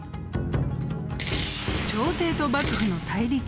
朝廷と幕府の対立